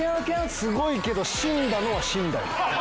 すごいけど死んだのは死んだよ。